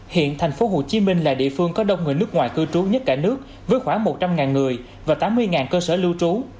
hiện thành phố hồ chí minh là địa phương có đông người nước ngoài cư trú nhất cả nước với khoảng một trăm linh người và tám mươi cơ sở lưu trú